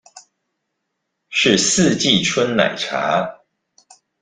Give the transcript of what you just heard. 是四季春奶茶